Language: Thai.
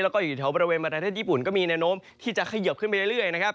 แล้วก็อยู่แถวบริเวณประเทศญี่ปุ่นก็มีแนวโน้มที่จะเขยิบขึ้นไปเรื่อยนะครับ